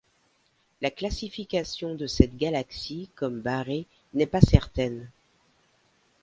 La classification de cette galaxie comme barrée n'est pas certaine.